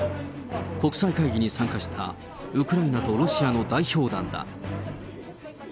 国際会議に参加したウクライナとロシアの代表団だ。